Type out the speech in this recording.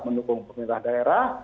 mendukung pemerintah daerah